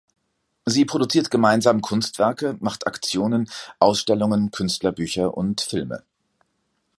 Sie produziert gemeinsam Kunstwerke, macht Aktionen, Ausstellungen, Künstlerbücher und Filme.